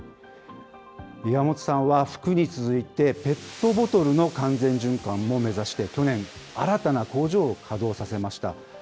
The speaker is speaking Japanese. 岩元さんは、服に続いてペットボトルの完全循環も目指して、去年、新たな工場を稼働させました。